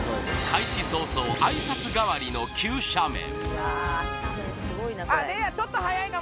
開始早々挨拶代わりの急斜面